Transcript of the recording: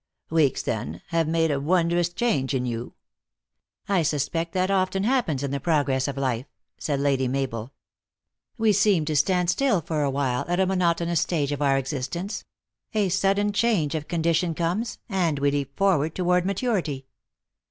" Weeks, then, have made a wondrous change in you." "I suspect that often happens in the progress of life," said Lady Mabel. " We seem to stand still for a while at a monotonous stage of our existence ; a sudden change of condition comes, and we leap for ward toward maturity."